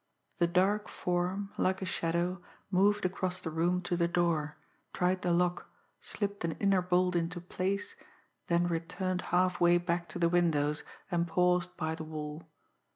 The dark form, like a shadow, moved across the room to the door, tried the lock, slipped an inner bolt into place, then returned halfway back to the windows, and paused by the wall.